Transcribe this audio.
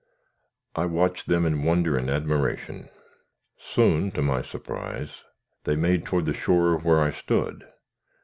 I watched them in wonder and admiration. Soon, to my surprise, they made toward the shore where I stood.